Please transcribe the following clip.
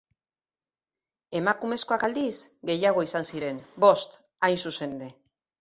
Emakumezkoak aldiz gehiago izan ziren, bost hain zuzen ere.